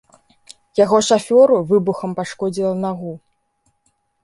Яго шафёру выбухам пашкодзіла нагу.